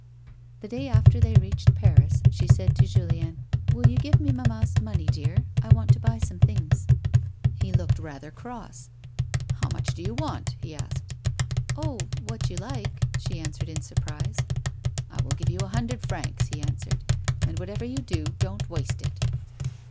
The da}' after they reached Paris, she said to Julien :" Will you give me mamma's money, dear? I want to buy some things." A WOMAN'S LIFE. 75 He looked rather cross. " How much do you want ?" he asked. " Oh — what you like," she answered in surprise. " I will give you a hundred francs," he answered ;" and whatever you do, don't waste it."